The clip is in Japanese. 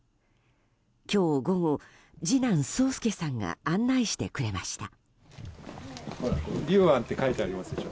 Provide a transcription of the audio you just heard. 今日午後、次男・宗助さんが案内してくれました。